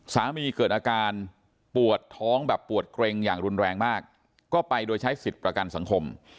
มีอาการปวดท้องแบบปวดเกร็งอย่างรุนแรงมากก็ไปโดยใช้สิทธิ์ประกันสังคม